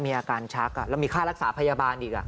มีอาการชักแล้วมีค่ารักษาพยาบาลอีก